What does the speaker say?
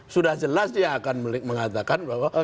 sudah jelas dia akan mengatakan bahwa